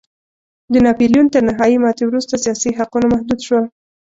د ناپلیون تر نهايي ماتې وروسته سیاسي حقونه محدود شول.